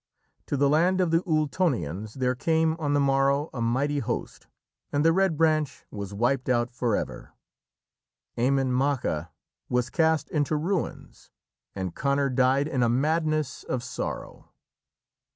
To the land of the Ultonians there came on the morrow a mighty host, and the Red Branch was wiped out for ever. Emain Macha was cast into ruins, and Conor died in a madness of sorrow.